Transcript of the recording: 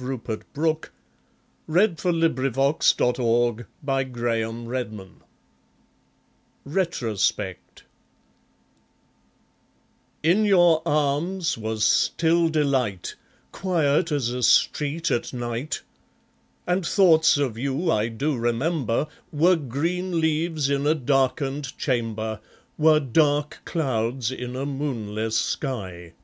There's little comfort in the wise. Papeete, February 1914 Retrospect In your arms was still delight, Quiet as a street at night; And thoughts of you, I do remember, Were green leaves in a darkened chamber, Were dark clouds in a moonless sky.